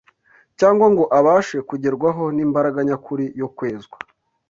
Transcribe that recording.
cyangwa ngo abashe kugerwaho n’imbaraga nyakuri yo kwezwa.